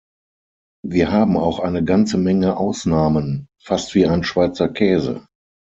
Wir haben auch eine ganze Menge Ausnahmen, fast wie ein Schweizer Käse.